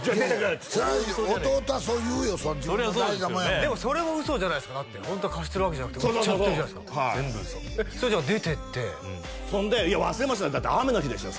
っつってそれは弟はそう言うよ自分の大事なもんやもんでもそれも嘘じゃないですかだってホントは貸してるわけじゃなくて売っちゃってるじゃないですか全部嘘それじゃあ出ていってそんでいや忘れもしないだって雨の日でしたよ